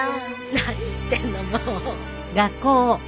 何言ってんのもう。